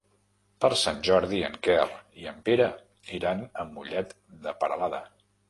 Per Sant Jordi en Quer i en Pere iran a Mollet de Peralada.